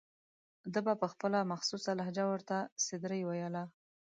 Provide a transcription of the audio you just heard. ده به په خپله مخصوصه لهجه ورته سدرۍ ویله.